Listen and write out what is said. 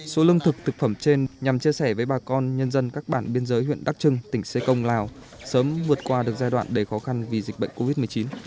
số lương thực thực phẩm trên nhằm chia sẻ với bà con nhân dân các bản biên giới huyện đắc trưng tỉnh xê công lào sớm vượt qua được giai đoạn đầy khó khăn vì dịch bệnh covid một mươi chín